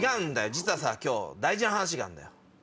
実は今日大事な話があるんだよ。